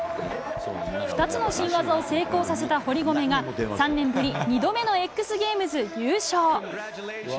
２つの新技を成功させた堀米が、３年ぶり、２度目のエックスゲームズ優勝。